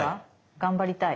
頑張りたい？